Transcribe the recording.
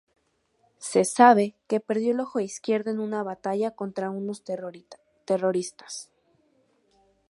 Se sabe que perdió el ojo izquierdo en una batalla contra unos terroristas.